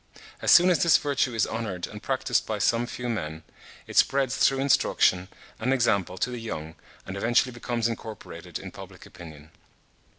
As soon as this virtue is honoured and practised by some few men, it spreads through instruction and example to the young, and eventually becomes incorporated in public opinion.